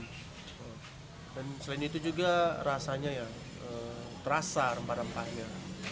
dan selain itu juga rasanya rasa rempah rempahnya